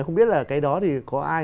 không biết là cái đó thì có ai